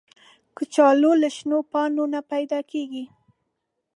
کچالو له شنو پاڼو نه پیدا کېږي